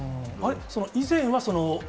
以前は。